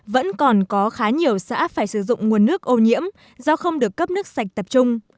vẫn còn có khá nhiều xã phải sử dụng nguồn nước ô nhiễm do không được cấp nước sạch tập trung